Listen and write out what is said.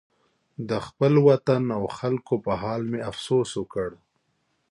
د خپل وطن او خلکو په حال مې افسوس وکړ.